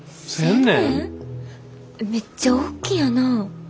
めっちゃおっきいんやな。